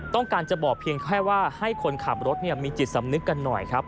ต้องการจะบอกเพียงแค่ว่าให้คนขับรถมีจิตสำนึกกันหน่อยครับ